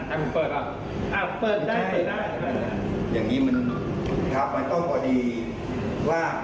ถ้าคุณเปิดป่ะอ่าเปิดได้เปิดได้อย่างนี้มันครับมันต้องพอดีว่า